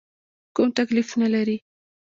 کوم تکلیف نه لرې؟